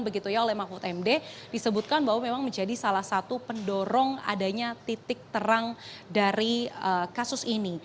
begitu ya oleh mahfud md disebutkan bahwa memang menjadi salah satu pendorong adanya titik terang dari kasus ini